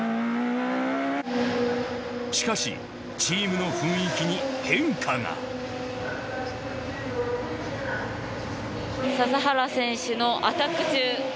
しかしチームの雰囲気に変化が笹原選手のアタック中。